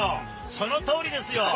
そのとおりですよ。